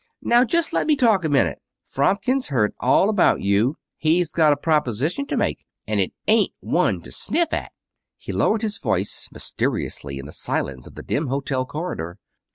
Now just let me talk a minute. Fromkin's heard all about you. He's got a proposition to make. And it isn't one to sniff at." He lowered his voice mysteriously in the silence of the dim hotel corridor.